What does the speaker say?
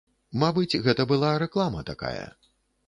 Мабыць, гэта была рэклама такая.